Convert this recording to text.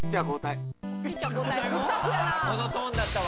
このトーンだったわ。